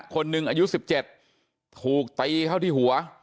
คนหนึ่งอายุ๑๗ถูกตีเข้าที่หัว